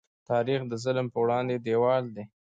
تاریخ د ظلم په وړاندې دیوال دی.